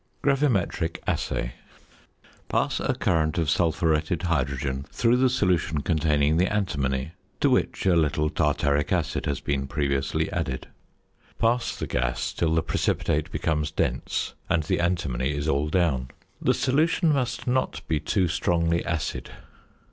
GRAVIMETRIC ASSAY. Pass a current of sulphuretted hydrogen through the solution containing the antimony to which a little tartaric acid has been previously added. Pass the gas till the precipitate becomes dense, and the antimony is all down. The solution must not be too strongly acid.